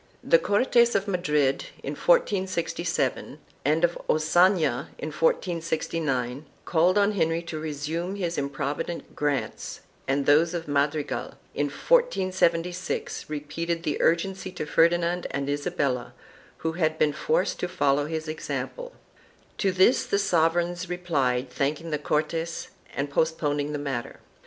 4 The Cortes of Madrid, in 1467, and of Ocana in 1469, called on Henry to resume his improvident grants, and those of Madrigal, in 1476, repeated the urgency to Ferdinand and Isabella, who had been forced to follow his example. To this the sovereigns replied thanking the Cortes and postponing the matter.